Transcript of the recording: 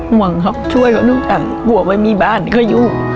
หวังเขาช่วยเขาทุกอย่างกลัวว่ามีบ้านเขาอยู่